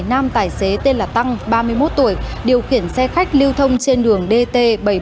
nam tài xế tên là tăng ba mươi một tuổi điều khiển xe khách lưu thông trên đường dt bảy trăm bốn mươi một